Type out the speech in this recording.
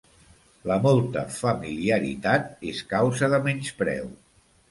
La molta familiaritat és causa de menyspreu.